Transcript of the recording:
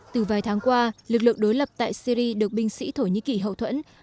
từ vài tháng qua lực lượng đối lập tại syri được binh sĩ thổ nhĩ kỳ hậu thuẫn